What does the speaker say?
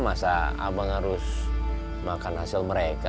masa abang harus makan hasil mereka